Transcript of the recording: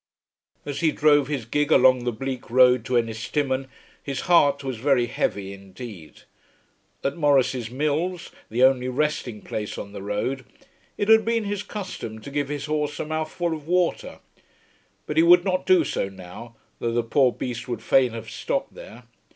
As he drove his gig along the bleak road to Ennistimon his heart was very heavy indeed. At Maurice's mills, the only resting place on the road, it had been his custom to give his horse a mouthful of water; but he would not do so now though the poor beast would fain have stopped there.